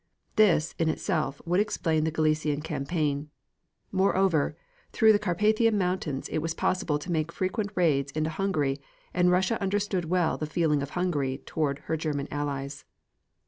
This, in itself, would explain the Galician campaign. Moreover, through the Carpathian Mountains it was possible to make frequent raids into Hungary, and Russia understood well the feeling of Hungary toward her German allies.